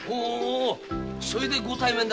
それでご対面だ。